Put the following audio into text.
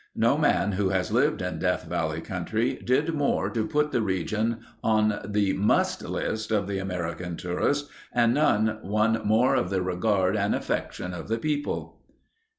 No man who has lived in Death Valley country did more to put the region on the must list of the American tourist and none won more of the regard and affections of the people.